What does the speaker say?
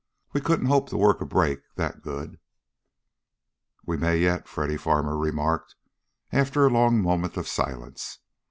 We couldn't hope to work a break that good!" "We may yet," Freddy Farmer remarked after a long moment of silence.